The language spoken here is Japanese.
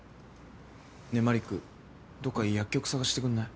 ねえマリックどっか薬局探してくんない？